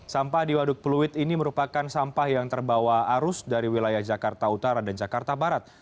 sampah di waduk pluit ini merupakan sampah yang terbawa arus dari wilayah jakarta utara dan jakarta barat